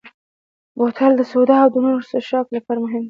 بوتل د سوډا او نورو څښاکو لپاره مهم دی.